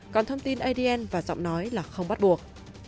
còn thông tin adn và giọng nói là không bắt buộc